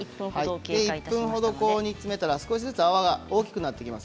１分ほど煮詰めたら少しずつ泡が大きくなってきます。